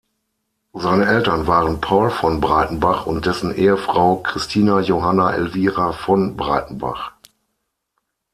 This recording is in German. Seine Eltern waren Paul von Breitenbach und dessen Ehefrau Christina Johanna Elvira von Breitenbach.